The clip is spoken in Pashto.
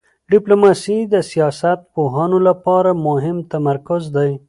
ډیپلوماسي د سیاست پوهانو لپاره مهم تمرکز دی.